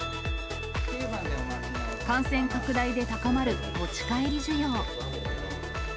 感染拡大で高まる持ち帰り需要。